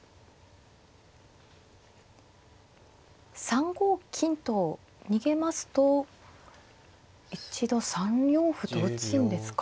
３五金と逃げますと一度３四歩と打つんですか？